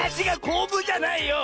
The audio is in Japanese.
こぶじゃないよ！